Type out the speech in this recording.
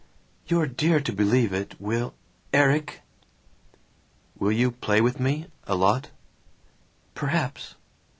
"You're dear to believe it, Will ERIK!" "Will you play with me? A lot?" "Perhaps."